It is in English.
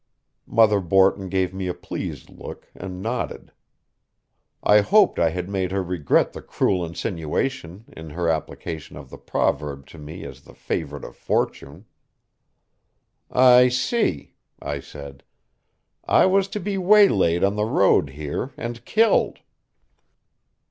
Mother Borton gave me a pleased look and nodded. I hoped I had made her regret the cruel insinuation in her application of the proverb to me as the favorite of fortune. "I see," I said. "I was to be waylaid on the road here and killed."